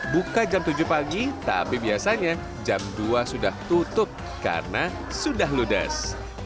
buka jam tujuh pagi tapi biasanya jam dua sudah tutup karena sudah ludes